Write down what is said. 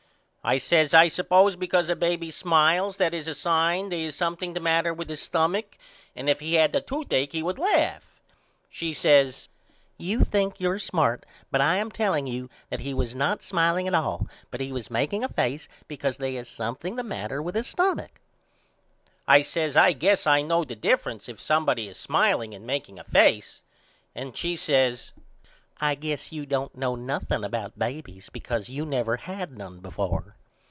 I says I suppose because a baby smiles that is a sign they is something the matter with his stumach and if he had the toothacke he would laugh. She says You think your smart but I am telling you that he was not smileing at all but he was makeing a face because they is something the matter with his stumach. I says I guess I know the difference if somebody is smileing or makeing a face. And she says I guess you don't know nothing about babys because you never had none before.